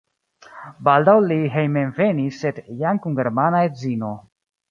Baldaŭ li hejmenvenis sed jam kun germana edzino.